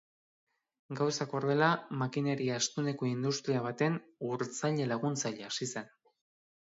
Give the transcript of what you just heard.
Gauzak horrela, makinaria astuneko industria baten urtzaile laguntzaile hasi zen.